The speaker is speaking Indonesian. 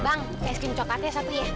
bang es krim coklatnya satu ya